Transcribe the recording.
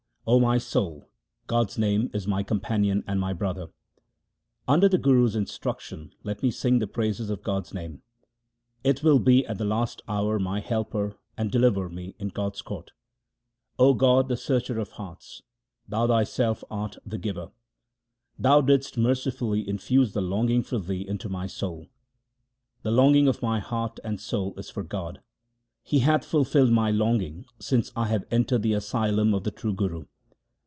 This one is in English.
O my soul, God's, name is my companion and my brother. Under the Guru's instruction let me sing the praises of God's name ; it will be at the last hour my helper, and deliver me in God's court. 0 God, the Searcher of hearts, Thou Thyself art the Giver ; Thou didst mercifully infuse the longing for Thee into my soul. The longing of my heart and soul is for God ; He hath fulfilled my longing since I have entered the asylum of the true Guru.